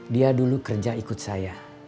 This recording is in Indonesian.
dia dulu kerja ikut saya